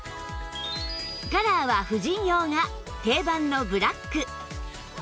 カラーは婦人用が定番のブラック